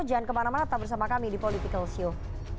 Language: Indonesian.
jangan kemana mana tetap bersama kami di politikalshow